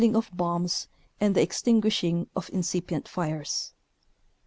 96 of bombs and the extinguishing of incipient fires.